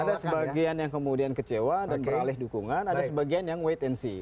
ada sebagian yang kemudian kecewa dan beralih dukungan ada sebagian yang wait and see